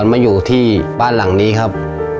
มาอยู่ที่บ้านหลังนี้ครับ